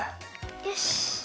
よし。